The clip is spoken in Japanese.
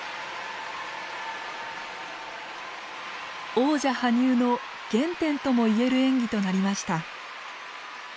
王者羽生の原点とも言える演技となりました。